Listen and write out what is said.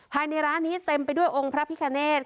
ภายในร้านนี้เต็มไปด้วยองค์พระพิคเนต